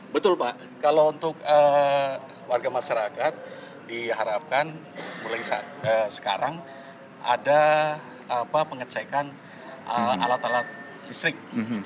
betul pak kalau untuk warga masyarakat diharapkan mulai sekarang ada pengecekan alat alat listrik